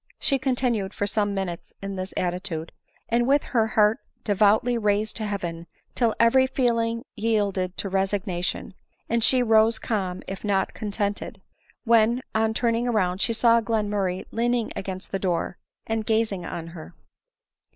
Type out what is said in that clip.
She continued for some minutes, in this attitude, and with her heart devoutly raised to heaven ; till every feeling yielded to resignation, and she arose calm, if not contented ; when, on turning round, she saw Glenmurray leaning against the door, and gazing on her.